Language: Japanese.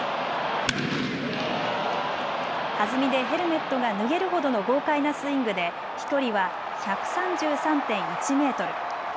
弾みでヘルメットが脱げるほどの豪快なスイングで飛距離は１３３．１メートル。